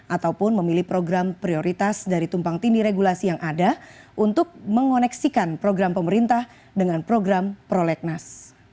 ataupun memilih program prioritas dari tumpang tindi regulasi yang ada untuk mengoneksikan program pemerintah dengan program prolegnas